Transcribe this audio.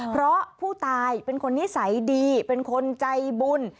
เพราะผู้ตายเป็นคนนิสัยดีเป็นคนใจบุญ